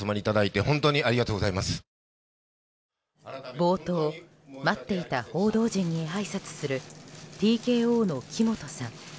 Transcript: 冒頭、待っていた報道陣にあいさつするＴＫＯの木本さん。